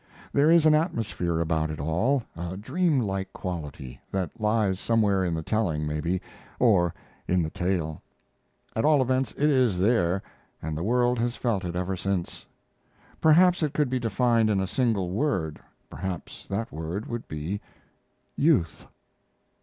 There is an atmosphere about it all, a dream like quality that lies somewhere in the telling, maybe, or in the tale; at all events it is there, and the world has felt it ever since. Perhaps it could be defined in a single word, perhaps that word would be "youth."